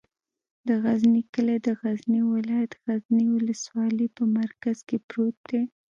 د غزنی کلی د غزنی ولایت، غزنی ولسوالي په مرکز کې پروت دی.